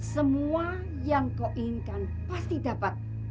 semua yang kau inginkan pasti dapat